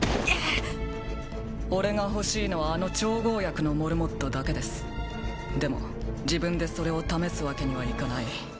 俺が欲しいのはあの調合薬のモルモットだけですでも自分でそれを試すわけにはいかない